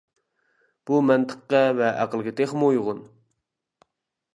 بۇ مەنتىققە ۋە ئەقىلگە تېخىمۇ ئۇيغۇن.